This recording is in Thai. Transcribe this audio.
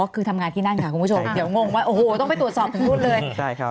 คือทำงานที่นั่นค่ะคุณผู้ชมเดี๋ยวงงว่าโอ้โหต้องไปตรวจสอบถึงนู่นเลย